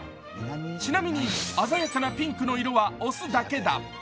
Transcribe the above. ちなみに、鮮やかなピンクの色は雄だけだ。